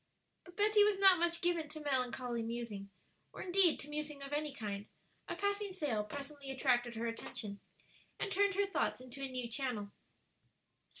But Betty was not much given to melancholy musing, or indeed to musing of any kind; a passing sail presently attracted her attention and turned her thoughts into a new channel.